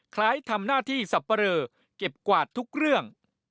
ทำหน้าที่สับปะเรอเก็บกวาดทุกเรื่อง